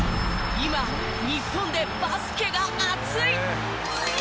今、日本でバスケが熱い。